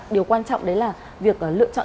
điều quan trọng đấy là việc lựa chọn